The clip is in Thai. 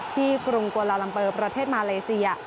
กรุงกวาลาลัมเปอร์ประเทศมาเลเซีย